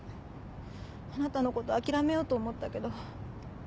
あなたのことあきらめようと思ったけど